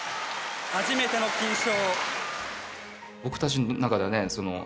初めての金賞。